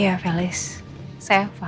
saya bawa bel terus sama pak aldi baran